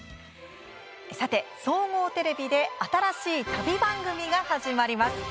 さて、総合テレビで新しい旅番組が始まります。